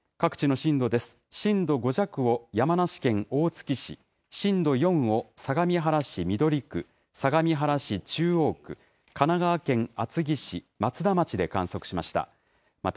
震度５弱を山梨県大月市、震度４を相模原市緑区、相模原市中央区、神奈川県厚木市、松田町で観測しました。